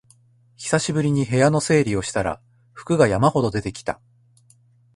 久しぶりに部屋の整理をしたら服が山ほど出てきた